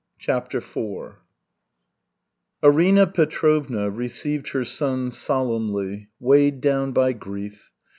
CHAPTER IV Arina Petrovna received her sons solemnly, weighed down by grief.